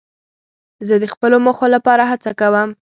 زه د خپلو موخو لپاره هڅه کوم.